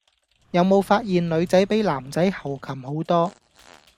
有冇發現女仔比男仔猴擒好多